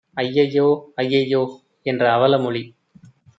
ஐயையோ! ஐயையோ! என்ற அவலமொழி